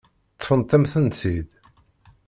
Ṭṭfent-am-tent-id.